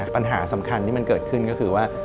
ปัญหาสำคัญที่มันเกิดขึ้นก็คือว่า